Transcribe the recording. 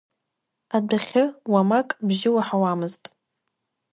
Адәахьы уамак бжьы уаҳауамызт.